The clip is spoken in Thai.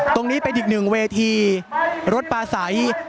ตรงนี้เป็นอีกหนึ่งเวทีรถปลาใส